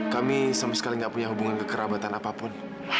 kami sama sekali tidak punya hubungan kekerabatan apapun